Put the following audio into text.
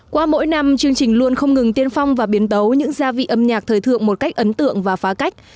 qua mỗi năm chương trình luôn không ngừng tiên phong và biến tấu những gia vị âm nhạc thời thượng một cách ấn tượng và phá cách